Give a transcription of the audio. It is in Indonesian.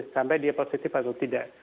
sampai dia positif atau tidak